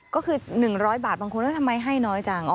ก็คือ๑๐๐บาทบางคนแล้วทำไมให้น้อยจัง